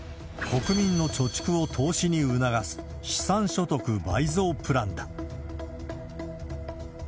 国民の貯蓄を投資に促す、資産所得倍増プランだ。